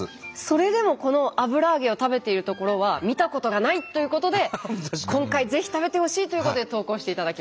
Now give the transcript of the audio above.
それでもこの油揚げを食べているところは見たことがない！ということで今回ぜひ食べてほしいということで投稿していただきました。